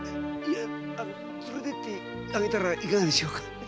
連れてってあげたらいかがですか？